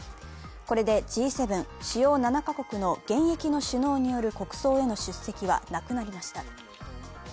これでＧ７＝主要７か国の現役の首脳による国葬への出席はなくなりました。